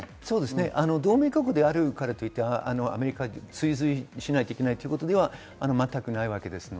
同盟国であるからといって、アメリカに追随しないといけないということではないです。